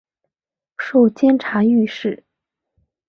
授监察御史。